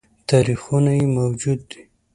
تاریخونه یې موجود دي